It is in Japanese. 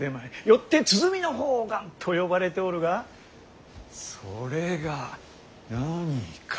よって鼓判官と呼ばれておるがそれが何か。